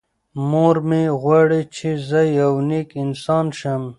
مور مې غواړي چې زه یو نېک انسان شم.